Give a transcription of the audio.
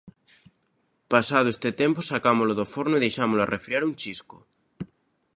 Pasado este tempo sacámolo do forno e deixámolo arrefriar un chisco.